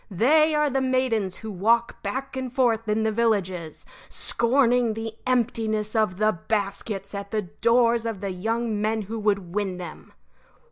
They are the maidens who walk back and forth in the villages, scorning the emptiness of the baskets at the doors of the young men who would win them.